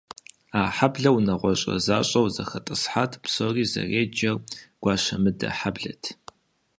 А хьэблэр унагъуэщӏэ защӏэу зэхэтӏысхьат, псори зэреджэр гуащэмыдэ хьэблэт.